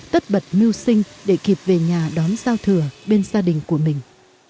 tất bật miêu sinh để kịp về nhà đón giao thừa bên gia đình của mình